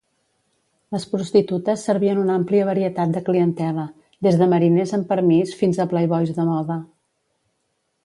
Les prostitutes servien una àmplia varietat de clientela, des de mariners en permís fins a playboys de moda.